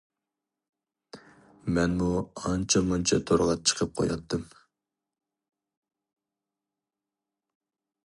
مەنمۇ ئانچە مۇنچە تورغا چىقىپ قۇياتتىم.